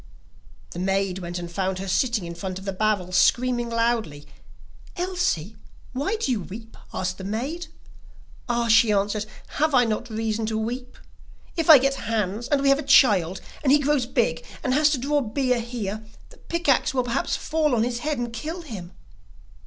The maid went and found her sitting in front of the barrel, screaming loudly. 'Elsie why do you weep?' asked the maid. 'Ah,' she answered, 'have I not reason to weep? If I get Hans, and we have a child, and he grows big, and has to draw beer here, the pick axe will perhaps fall on his head, and kill him.